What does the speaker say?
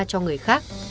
cho người khác